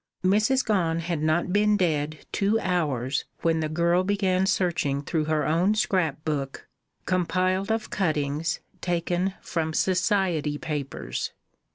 Mrs. Gone had not been dead two hours when the girl began searching through her own scrapbook, compiled of cuttings taken from Society papers.